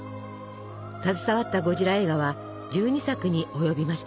携わったゴジラ映画は１２作に及びました。